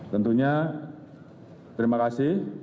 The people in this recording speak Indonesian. tentunya terima kasih